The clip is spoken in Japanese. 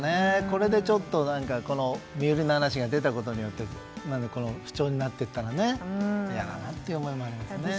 これで、身売りの話が出たことによって不調になっていたら嫌だなと思いますね。